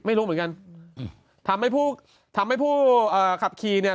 ไม่รู้เหมือนกันอืมทำให้ผู้ทำให้ผู้เอ่อขับขี่เนี่ย